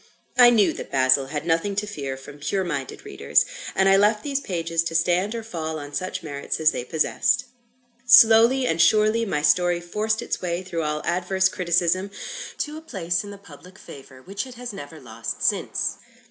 I knew that "Basil" had nothing to fear from pure minded readers; and I left these pages to stand or fall on such merits as they possessed. Slowly and surely, my story forced its way through all adverse criticism, to a place in the public favour which it has never lost since.